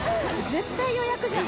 絶対予約じゃん。